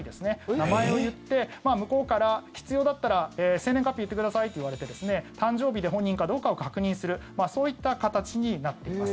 名前を言って向こうから、必要だったら生年月日言ってくださいって言われて誕生日で本人かどうかを確認するそういった形になっています。